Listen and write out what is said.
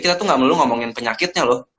kita tuh gak melulu ngomongin penyakitnya loh